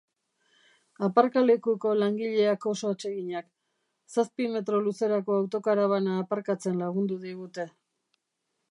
Aparkalekuko langileak oso atseginak. Zazpi metro luzerako autokarabana aparkatzen lagundu digute.